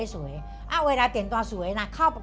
ไอ้น้องพ่อก็ถึงนทราบอาศัลล์